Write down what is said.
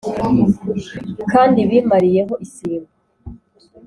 Kandi bimariye ho isimbo